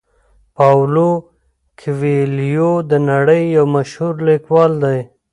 پاولو کویلیو د نړۍ یو مشهور لیکوال دی.